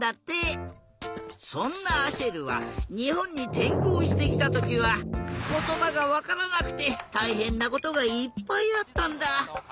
そんなアシェルはにほんにてんこうしてきたときはことばがわからなくてたいへんなことがいっぱいあったんだ。